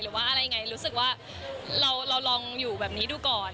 รู้สึกว่าเราลองอยู่แบบนี้ดูก่อน